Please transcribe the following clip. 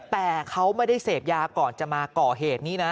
แต่เขาไม่ได้เสพยาก่อนจะมาก่อเหตุนี้นะ